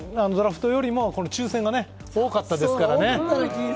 いつものドラフトよりも抽選が多かったですからね。